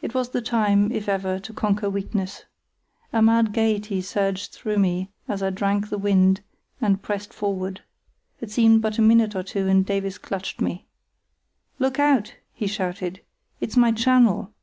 It was the time, if ever, to conquer weakness. A mad gaiety surged through me as I drank the wind and pressed forward. It seemed but a minute or two and Davies clutched me. "Look out!" he shouted. "It's my channel."